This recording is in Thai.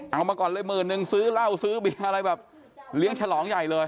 เอามาก่อนเลยหมื่นนึงซื้อเหล้าซื้อเบียร์อะไรแบบเลี้ยงฉลองใหญ่เลย